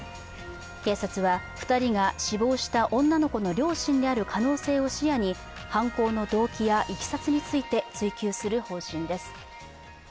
警察は２人が死亡した女の子の両親である可能性を視野に犯行の動機やいきさつについて追及する方針です。